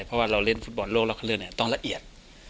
เพราะว่าเราเล่นฟุตบอลโลกรอบคันเลือกต้องละเอียด